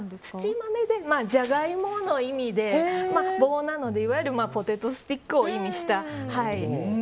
土豆でジャガイモの意味で棒なのでいわゆるポテトスティックを意味した。